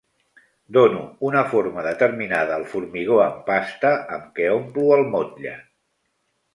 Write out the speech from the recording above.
Dono una forma determinada al formigó en pasta amb què omplo el motlle.